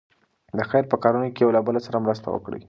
د خیر په کارونو کې یو له بل سره مرسته وکړئ.